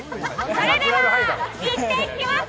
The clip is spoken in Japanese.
それではいってきます！